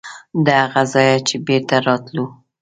د هغه ځایه چې بېرته راتلو.